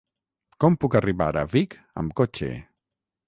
Com puc arribar a Vic amb cotxe?